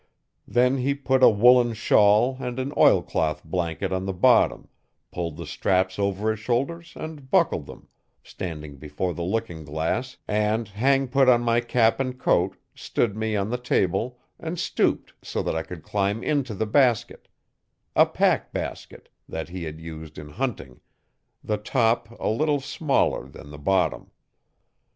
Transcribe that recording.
Then he put a woollen shawl and an oilcloth blanket on the bottom, pulled the straps over his shoulders and buckled them, standing before the looking glass, and, hang put on my cap and coat, stood me on the table, and stooped so that I could climb into the basket a pack basket, that he had used in hunting, the top a little smaller than the bottom.